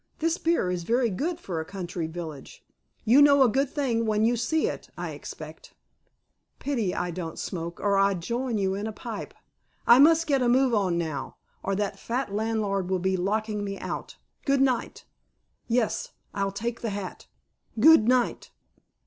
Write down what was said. This beer is very good for a country village. You know a good thing when you see it, I expect. Pity I don't smoke, or I'd join you in a pipe. I must get a move on, now, or that fat landlord will be locking me out. Good night! Yes. I'll take the hat. Good night!"